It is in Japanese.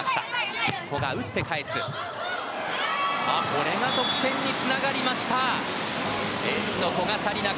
これが得点につながりました。